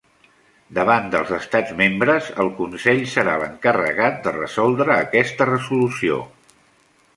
Davant dels Estats membres, el Consell serà l'encarregat de resoldre aquesta resolució.